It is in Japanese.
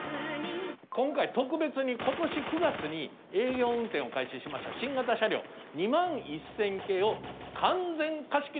今回特別に今年９月に営業運転を開始しました新型車両２１０００系を完全貸し切りさせて頂きました！